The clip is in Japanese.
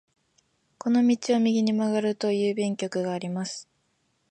この道を右に曲がると郵便局があります。